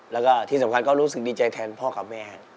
แล้วก็ที่สำคัญก็รู้สึกดีใจแทนพ่อกับแม่